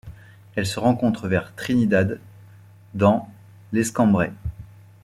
Elle se rencontre vers Trinidad dans l'Escambray.